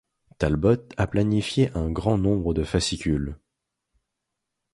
Talbot a planifié un grand nombre de fascicules.